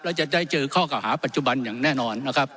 แล้วจะได้เจอข้อเก่าหาปัจจุบันอย่างแน่นอนนะครับ